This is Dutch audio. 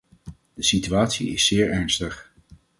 De situatie is zeer ernstig.